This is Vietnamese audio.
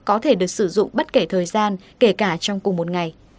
có thể được sử dụng bất kể thời gian kể cả trong cùng một ngày